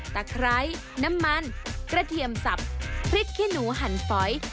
ไคร้น้ำมันกระเทียมสับพริกขี้หนูหันฝอย